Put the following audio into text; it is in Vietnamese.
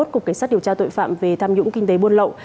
cục cảnh sát điều tra tội phạm về tham nhũng kinh tế buôn lậu